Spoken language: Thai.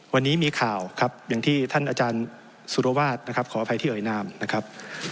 วันนี้มีข่าวครับอย่างที่ท่านอาจารย์สุรวาสนะครับขออภัยที่เอ่ยนามนะครับ